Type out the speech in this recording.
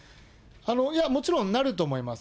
いや、もちろんなると思います。